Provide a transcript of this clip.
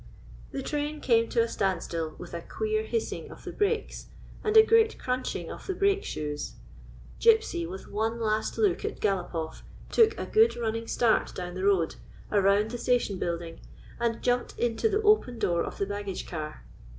The train came to a standstill with a queer hissing of the brakes and a great crunching of the brake shoes. Gypsy, with one last look at GalopofF, took a good running start down the 11 7 GYPSY, THE TALKING DOG road, around the station building, and jumped into the open door of the baggage car.